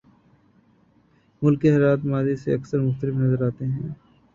ملک کے حالات ماضی سے یکسر مختلف نظر آتے ہیں۔